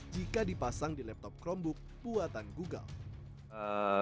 jika dipasang di laptop chromebook buatan google